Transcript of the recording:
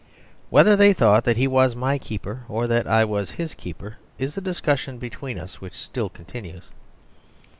Whether they thought that he was my keeper or that I was his keeper is a discussion between us which still continues.